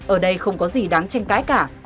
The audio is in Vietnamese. ở đây không có gì đáng tranh cãi cả